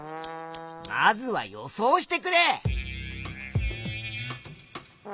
まずは予想してくれ。